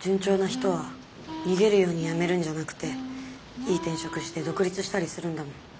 順調な人は逃げるように辞めるんじゃなくていい転職して独立したりするんだもん。